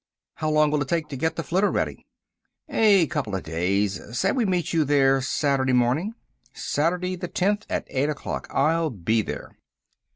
"How long will it take to get the flitter ready?" "A couple of days. Say we meet you there Saturday morning?" "Saturday the tenth, at eight o'clock. I'll be there."